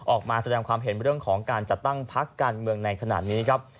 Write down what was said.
ออกมาแสดงความเห็นเรื่องของการจัดตั้งพักการเมืองในขณะนี้ครับ